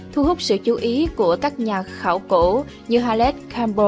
thu hút sự chú ý của các nhà khảo cổ như halit kambon